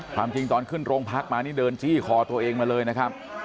ความจริงตอนขึ้นโรงพักมานี่เดินจี้คอตัวเองมาเลยนะครับ